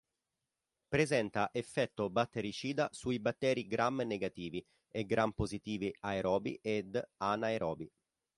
Presenta effetto battericida sui batteri Gram negativi e Gram positivi aerobi ed anaerobi.